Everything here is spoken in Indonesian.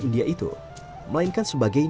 india itu melainkan sebagai